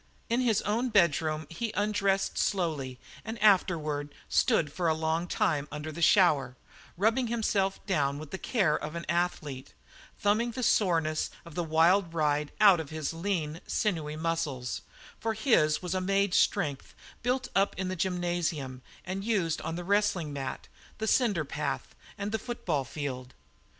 In his own bedroom he undressed slowly and afterward stood for a long time under the shower, rubbing himself down with the care of an athlete, thumbing the soreness of the wild ride out of the lean, sinewy muscles, for his was a made strength built up in the gymnasium and used on the wrestling mat, the cinder path, and the football field.